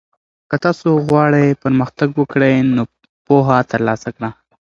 که ته غواړې پرمختګ وکړې نو پوهه ترلاسه کړه.